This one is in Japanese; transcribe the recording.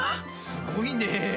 すごいね。